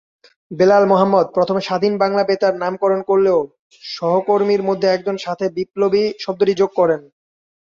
বেলাল মোহাম্মদ প্রথমে স্বাধীন বাংলা বেতার নামকরণ করলেও সহকর্মীর মধ্যে একজন সাথে বিপ্লবী শব্দটি যোগ করেন।